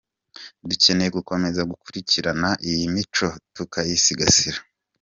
Dukeneye gukomeza gukurikirana iyi mico tukayisigasira.